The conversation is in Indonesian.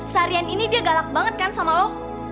seharian ini dia galak banget kan sama lo